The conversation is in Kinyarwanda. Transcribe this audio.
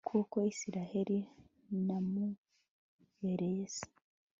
kuko isirayeli namubereye se